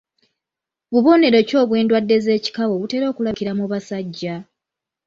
Bubonero ki obw’endwadde z’ekikaba obutera okulabikira mu basajja?